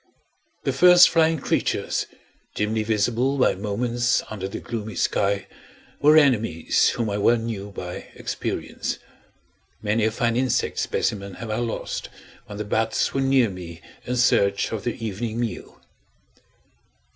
The first flying creatures, dimly visible by moments under the gloomy sky, were enemies whom I well knew by experience. Many a fine insect specimen have I lost, when the bats were near me in search of their evening meal.